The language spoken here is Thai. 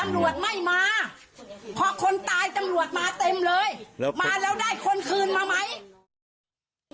ตำรวจไม่มาพอคนตายตำรวจมาเต็มเลยมาแล้วได้คนคืนมาไหม